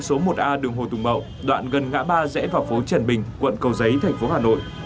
số một a đường hồ tùng mậu đoạn gần ngã ba rẽ vào phố trần bình quận cầu giấy thành phố hà nội